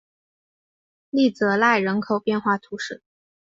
利泽赖人口变化图示